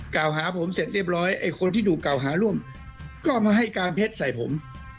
กล่าวหาผมเสร็จเรียบร้อยไอ้คนที่ถูกกล่าวหาร่วมก็มาให้การเท็จใส่ผม